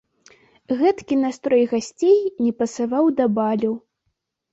Гэткі настрой гасцей не пасаваў да балю.